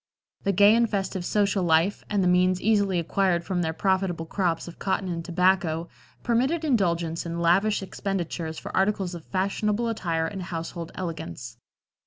The gay and festive social life, and the means easily acquired from their profitable crops of cotton and tobacco, permitted indulgence in lavish expenditures for articles of fashionable attire and household elegance.